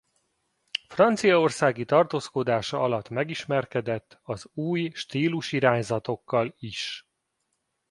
Franciaországi tartózkodása alatt megismerkedett az új stílusirányzatokkal is.